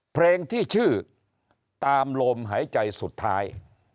เพลงที่ชื่อตามลมหายใจสุดท้าย